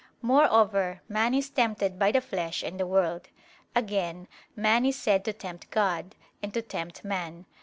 Moreover man is tempted by the flesh and the world. Again, man is said to tempt God, and to tempt man.